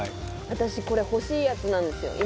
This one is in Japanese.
私、これ欲しいやつなんですよ、今。